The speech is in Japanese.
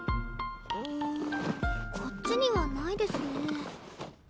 うんこっちにはないですね。